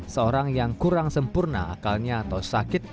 seorang yang kurang sempurna akalnya atau sakit